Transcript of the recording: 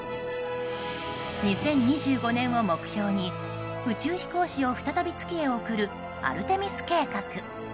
２０２５年を目標に宇宙飛行士を再び月へ送るアルテミス計画。